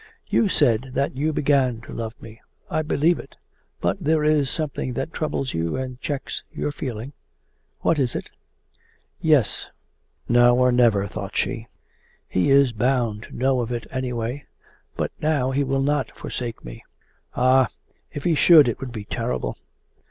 'You said that you began to love me. I believe it but there is something that troubles you and checks your feeling. What is it?' 'Yes now or never!' thought she. 'He is bound to know of it anyway. But now he will not forsake me. Ah, if he should, it would be terrible!